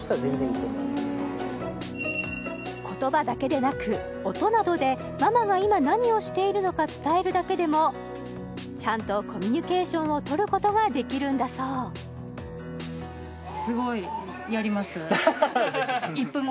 言葉だけでなく音などでママが今何をしているのか伝えるだけでもちゃんとコミュニケーションをとることができるんだそうすごい！